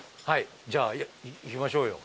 じゃあ行きましょうよ。